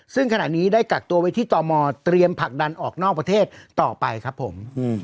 ซึ่งขณะนี้ได้กักตัวไว้ที่ตมเตรียมผลักดันออกนอกประเทศต่อไปครับผม